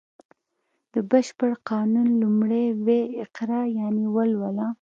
د بشپړ قانون لومړی ویی اقرا یانې ولوله و